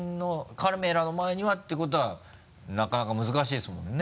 カメラの前にはってことはなかなか難しいですもんね。